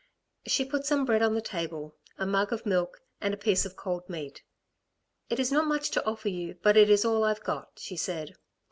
She put some bread on the table, a mug of milk and a piece of cold meat. "It is not much to offer you, but it is all I've got," she said.